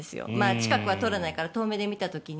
近くは通らないから遠目で見た時に。